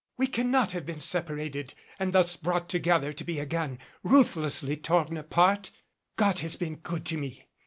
We cannot have been separated and thus brought together to be again ruthlessly torn apart. God has been good to me.